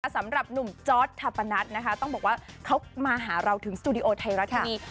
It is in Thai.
สำหรับหนุ่มจอร์ดทัพปนัทนะคะต้องบอกว่าเขามาหาเราถึงสตูดิโอไทยรัฐทีวี